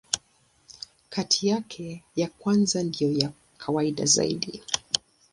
Kati yake, ya kwanza ndiyo ya kawaida zaidi.